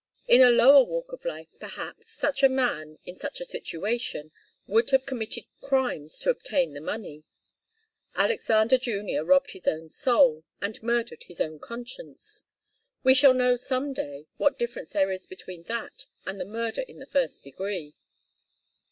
In a lower walk of life, perhaps, such a man, in such a situation, would have committed crimes to obtain the money. Alexander Junior robbed his own soul, and murdered his own conscience. We shall know some day what difference there is between that and murder in the first degree.